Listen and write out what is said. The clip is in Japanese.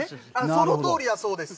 そのとおりだそうです。